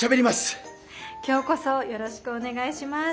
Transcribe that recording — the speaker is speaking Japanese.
今日こそよろしくお願いします。